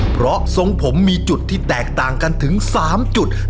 เพราะทรงผมมีจุดที่แตกต่างกันถึง๓จุด